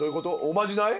おまじない？